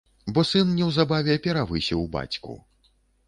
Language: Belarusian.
Бо сын неўзабаве перавысіў бацьку.